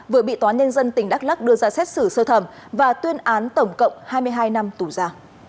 vừa bị tòa nhân dân tỉnh đắk lắc đưa ra xét xử sơ thẩm và tuyên án tổng cộng hai mươi hai năm tù ra